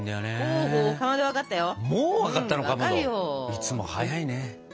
いつも早いね。